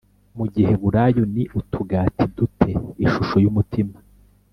mu giheburayo ni utugati dute ishusho y umutima